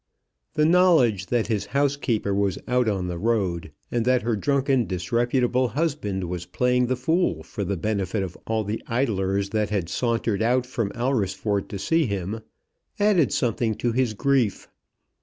The knowledge that his housekeeper was out on the road, and that her drunken disreputable husband was playing the fool for the benefit of all the idlers that had sauntered out from Alresford to see him, added something to his grief.